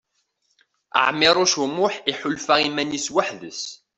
Ɛmiṛuc U Muḥ iḥulfa iman-is weḥd-s.